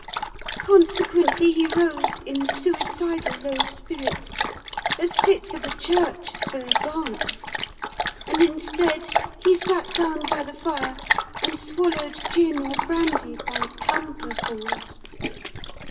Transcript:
Consequently, he rose, in suicidal low spirits, as fit for the church as for a dance; and instead, he sat down by the fire and swallowed gin or brandy by tumblerfuls.